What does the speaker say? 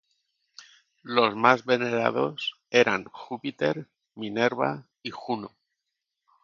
Los más venerados eran Júpiter, Minerva y Juno.